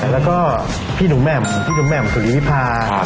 แล้วก็พี่หนุ่มแหม่มพี่หนุ่มแหม่มสุริวิพา